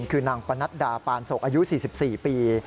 คือนางปนัดดาปานศกอายุ๔๔ปี